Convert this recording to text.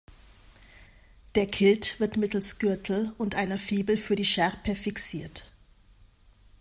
Der Kilt wird mittels Gürtel und einer Fibel für die Schärpe fixiert.